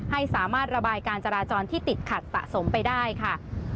ให้สามารถระบายการจราจรที่ติดขัดสะสมไปได้ค่ะ